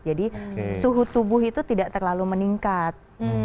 jadi suhu tubuh itu tidak terlalu meningkat